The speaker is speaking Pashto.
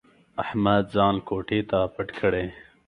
احمد ځان کوټې ته پټ کړي.